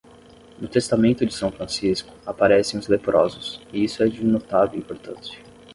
No Testamento de São Francisco, aparecem os leprosos, e isso é de notável importância.